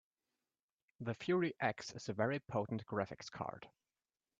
The Fury X is a very potent graphics card.